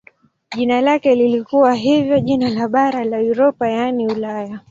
Jina lake lilikuwa hivyo jina la bara la Europa yaani Ulaya.